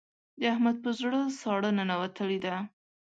د احمد په زړه ساړه ننوتلې ده.